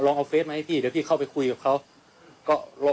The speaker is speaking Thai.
ลองเอาเพศมาให้พี่เดี๋ยวพี่เข้าไปคุยกับเขา